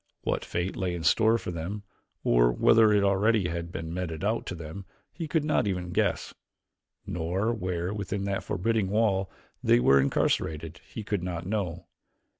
What fate lay in store for them or whether already it had been meted out to them he could not even guess, nor where, within that forbidding wall, they were incarcerated he could not know.